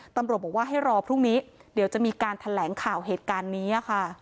ตำรวจบอกว่าให้รอพรุ่งนี้เดี๋ยวจะมีการแถลงข่าวเหตุการณ์นี้ค่ะ